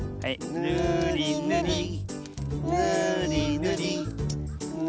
ぬりぬりぬりぬりぬりぬり